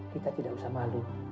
kita tidak usah malu